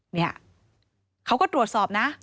เนี่ยเขาก็ตรวจสอบนะ